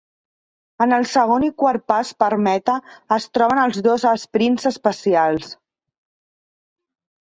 En el segon i quart pas per meta es troben els dos esprints especials.